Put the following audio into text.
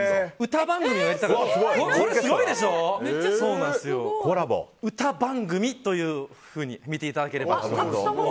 歌番組というふうに見ていただければ。